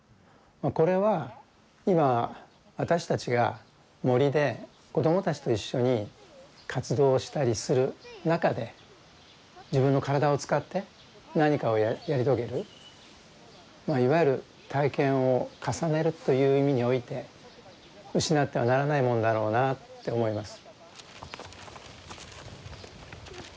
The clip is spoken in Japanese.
これは今私たちが森で子どもたちと一緒に活動したりする中で自分の体を使って何かをやり遂げるいわゆる体験を重ねるという意味において失ってはならないもんだろうなって思います。